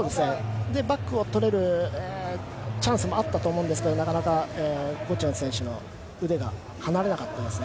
バックを取れるチャンスもあったと思うんですけれど、なかなかゴチェン選手の腕が離れなかったですね。